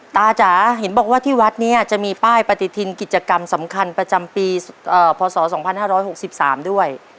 จ๋าเห็นบอกว่าที่วัดนี้จะมีป้ายปฏิทินกิจกรรมสำคัญประจำปีพศ๒๕๖๓ด้วย